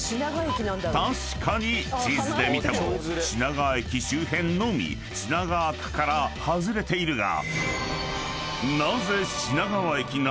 ［確かに地図で見ても品川駅周辺のみ品川区から外れているが］